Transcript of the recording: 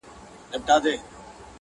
له هر ځایه یې مړۍ په خوله کوله!.